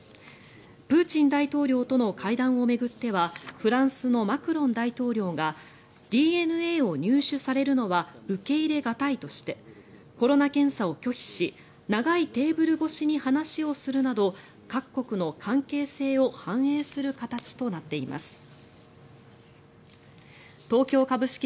プーチン大統領との会談を巡ってはフランスのマクロン大統領がＤＮＡを入手されるのは受け入れ難いとしてコロナ検査を拒否し長いテーブル越しに話をするなど各国の関係性を反映する形となっています。